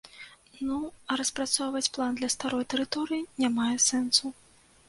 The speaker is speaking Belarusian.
Ну, а распрацоўваць план для старой тэрыторыі не мае сэнсу.